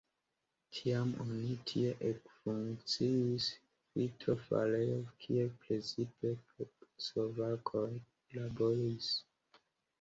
Tiam oni tie ekfunkciis vitrofarejo, kie precipe slovakoj laboris.